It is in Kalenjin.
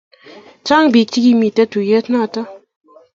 Chang pik che kimiten tuyet noton